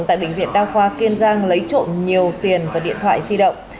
tại bệnh viện đa khoa kiên giang lấy trộm nhiều tiền và điện thoại di động